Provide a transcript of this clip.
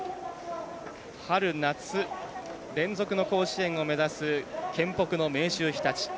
春夏連続の甲子園を目指す県北の明秀日立。